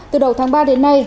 từ đầu tháng ba đến nay